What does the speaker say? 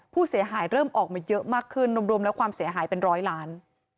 เริ่มออกมาเยอะมากขึ้นรวมแล้วความเสียหายเป็นร้อยล้าน